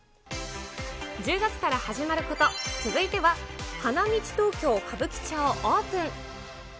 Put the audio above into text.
１０月から始まること、続いてはハナミチ東京歌舞伎町オープン。